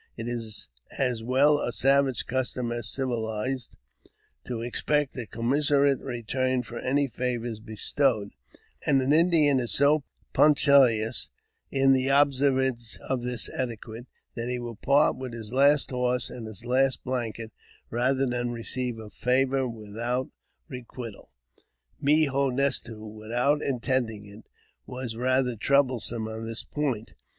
It is as well a savage custom as civilized, to expect a com mensurate return for any favours bestowed, and an Indian is so punctilious in the observance of this etiquette, that he will part with his last horse and his last blanket rather than receive a favour without requital. Mo he nes to, without intending it, was rather troublesome on this point.